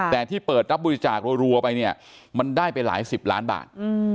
แต่ที่เปิดรับบริจาครัวไปเนี่ยมันได้ไปหลายสิบล้านบาท